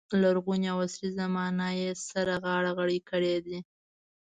لرغونې او عصري زمانه یې سره غاړه غړۍ کړې دي.